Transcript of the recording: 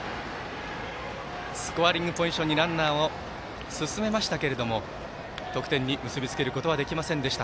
スコアリングポジションにランナーを進めましたが得点に結び付けることはできませんでした。